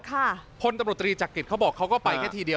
พลตำรวจตรีจักริจเขาบอกเขาก็ไปแค่ทีเดียว